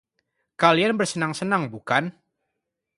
Kalian bersenang-senang, bukan?